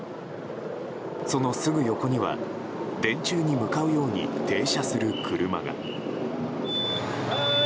そのすぐ横には、電柱に向かうように停車する車が。